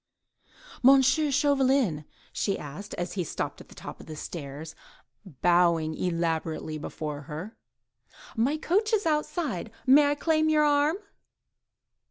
"M. Chauvelin," she said, as he stopped on the top of the stairs, bowing elaborately before her, "my coach is outside; may I claim your arm?"